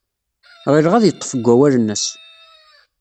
Ɣileɣ ad yeḍḍef deg wawal-nnes.